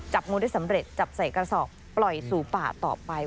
จับงูได้สำเร็จจับใส่กระสอบปล่อยสู่ป่าต่อไป